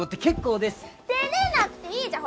「照れなくていいじゃん」